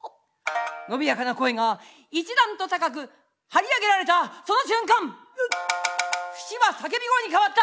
伸びやかな声が一段と高く張り上げられたその瞬間節は叫び声に変わった！